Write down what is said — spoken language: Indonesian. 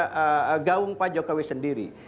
tujuannya memang kepada gaung pak jokowi sendiri